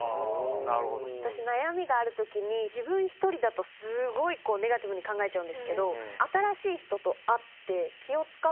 私悩みがある時に自分１人だとすごいネガティブに考えちゃうんですけど。